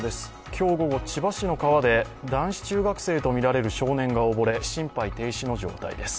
今日午後、千葉市の川で男子中学生とみられる少年が溺れ、心肺停止の状態です。